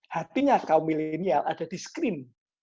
hatinya kaum milenial ada di screen